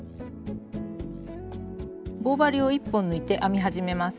棒針を１本抜いて編み始めます。